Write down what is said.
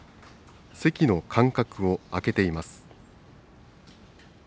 席の間隔を空けています。